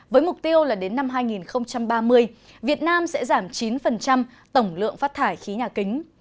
với mục tiêu là đến năm hai nghìn ba mươi việt nam sẽ giảm chín tổng lượng phát thải khí nhà kính